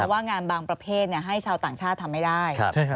ว่างานบางประเภทให้ชาวต่างชาติทำไม่ได้